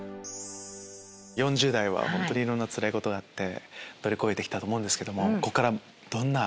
４０代は本当にいろんなつらいことがあって乗り越えて来たと思うんですけどここからどんな。